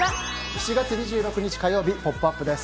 ７月２６日、火曜日「ポップＵＰ！」です。